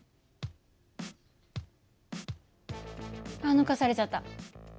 あっ抜かされちゃった。